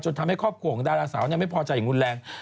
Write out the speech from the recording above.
ทำให้ครอบครัวของดาราสาวไม่พอใจอย่างรุนแรง